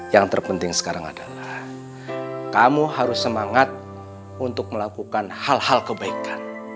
yang terpenting sekarang adalah kamu harus semangat untuk melakukan hal hal kebaikan